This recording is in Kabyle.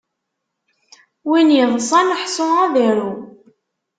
Win iḍṣan ḥṣu ad iru.